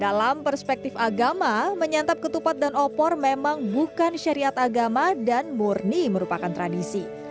dalam perspektif agama menyantap ketupat dan opor memang bukan syariat agama dan murni merupakan tradisi